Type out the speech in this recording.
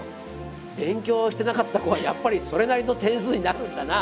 勉強してなかった子はやっぱりそれなりの点数になるんだな。